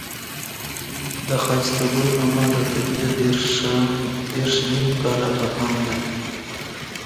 د ښایسته ګل ماما دا طبيعت دېرش نيم کاله بهاند دی.